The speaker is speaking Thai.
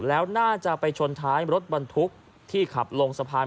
แล้วน่าจะไปชนท้ายรถบรรทุกที่ขับลงสะพาน